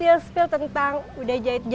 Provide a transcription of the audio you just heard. jadi tipe menangan jadi dikit